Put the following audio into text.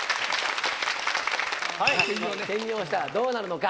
はい兼業したらどうなるのか。